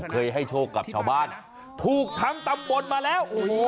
เคยให้โชคกับชาวบ้านถูกทั้งตำบลมาแล้วโอ้โห